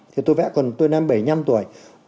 thì tôi vẽ còn tôi năm bảy mươi năm tuổi